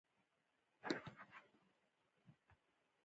د شنو باغونو منظر د روح ارامتیا راولي.